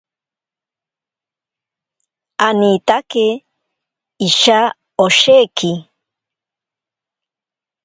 Anitake isha osheki.